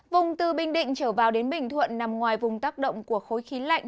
vùng từ bình định trở vào đến bình thuận nằm ngoài vùng tác động của khối khí lạnh